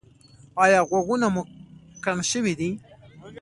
ایا غوږونه مو کڼ شوي دي؟